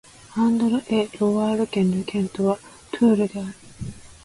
アンドル＝エ＝ロワール県の県都はトゥールである